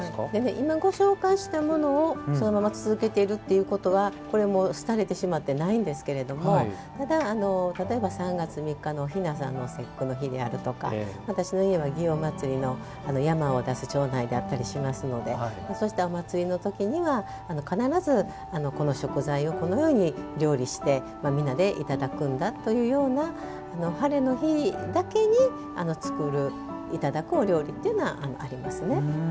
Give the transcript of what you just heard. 今、ご紹介しているものをそのまま続けているというのはこれ、廃れてしまってないんですけどただ、例えば３月７日のおひなさんの節句の日であるとか私の家は祇園祭の山を出す町内であったりしますのでお祭りのときにはこの食材をこのように料理してみんなでいただくんだというようなハレの日だけに作るいただくお料理っていうのはありますね。